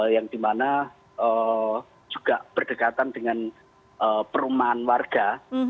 yang dimana juga berdekatan dengan perumahan warga